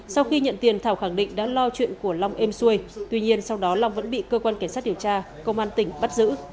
sau khi nhận tiền thảo khẳng định đã lo chuyện của long êm xuôi tuy nhiên sau đó long vẫn bị cơ quan cảnh sát điều tra công an tỉnh bắt giữ